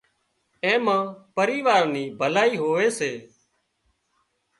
اين مان پريوار نِي ڀلائي هوئي سي